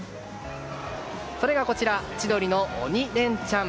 それが、千鳥の鬼レンチャン